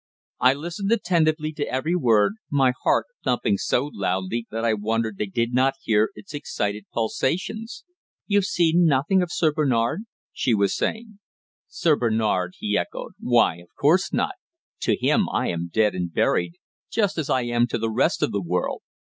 I listened attentively to every word, my heart thumping so loudly that I wondered they did not hear its excited pulsations. "You've seen nothing of Sir Bernard?" she was saying. "Sir Bernard!" he echoed. "Why, of course not. To him I am dead and buried, just as I am to the rest of the world.